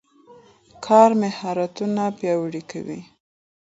کار مهارتونه پیاوړي کوي.